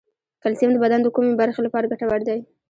کلسیم د بدن د کومې برخې لپاره ګټور دی